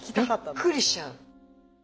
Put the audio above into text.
びっくりしちゃう。